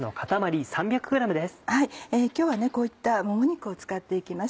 今日はこういったもも肉を使っていきます。